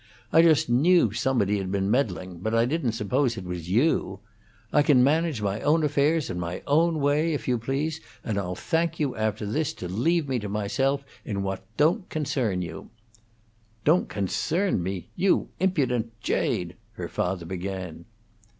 I just knew somebody had been meddling, but I didn't suppose it was you. I can manage my own affairs in my own way, if you please, and I'll thank you after this to leave me to myself in what don't concern you." "Don't concern me? You impudent jade!" her father began.